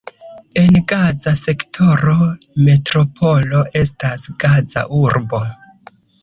En Gaza sektoro metropolo estas Gaza-urbo.